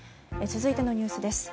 続いてのニュースです。